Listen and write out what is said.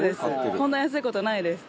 こんな安い事ないです。